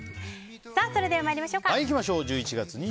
それでは参りましょう。